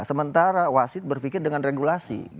sementara wasit berpikir dengan regulasi